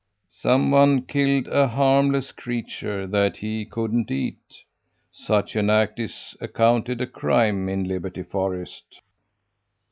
"Some one killed a harmless creature that he couldn't eat. Such an act is accounted a crime in Liberty Forest."